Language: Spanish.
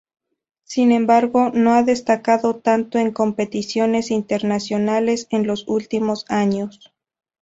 Sin embargo, no ha destacado tanto en competiciones internacionales en los últimos años.